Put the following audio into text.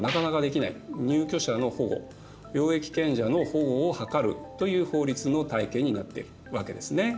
入居者の保護用益権者の保護を図るという法律の体系になっているわけですね。